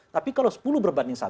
tapi kalau sepuluh berbanding satu